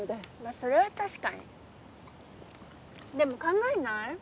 まあそれは確かにでも考えない？